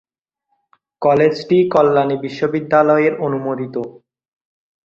কলেজটি কল্যাণী বিশ্ববিদ্যালয়ের অনুমোদিত।